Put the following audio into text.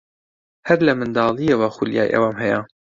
هەر لە منداڵییەوە خولیای ئەوەم هەیە.